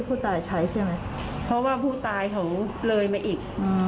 เพราะว่าผู้ตายเขาเลยมาอีก